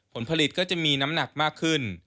ผลผลิตก็จะมีน้ำหนักมากขึ้น